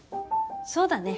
そうだね。